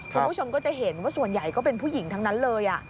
คุณผู้ชมก็จะเห็นว่าส่วนใหญ่ก็เป็นผู้หญิงทั้งนั้นเลย